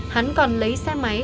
hắn còn lấy xe máy